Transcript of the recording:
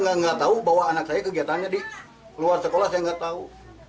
saya nggak tahu bahwa anak saya kegiatannya di luar sekolah saya nggak tahu